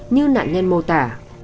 như nạn nhân mô tả